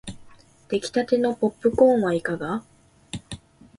できたてのポップコーンはいかが